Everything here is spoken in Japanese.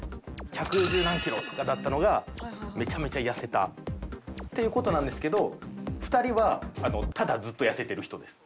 百十何キロとかだったのがめちゃめちゃ痩せたって事なんですけど２人はただずっと痩せてる人です。